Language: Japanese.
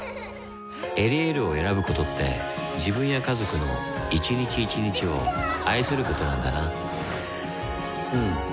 「エリエール」を選ぶことって自分や家族の一日一日を愛することなんだなうん。